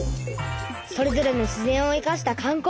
それぞれの自然をいかした観光。